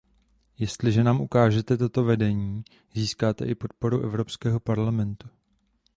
Jestliže nám ukážete toto vedení, získáte i podporu Evropského parlamentu.